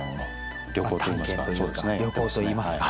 旅行といいますか。